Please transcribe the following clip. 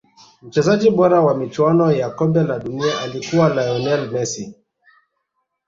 mchezaji bora wa michuano ya kombe la dunia alikuwa lionel messi